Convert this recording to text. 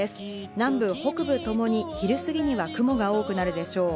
南部、北部ともに昼過ぎには雲が多くなるでしょう。